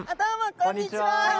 こんにちは！